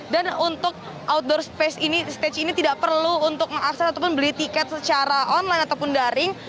dan untuk outdoor stage ini tidak perlu untuk mengakses ataupun beli tiket secara online ataupun daring